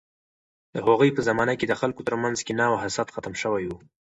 د هغوی په زمانه کې د خلکو ترمنځ کینه او حسد ختم شوی و.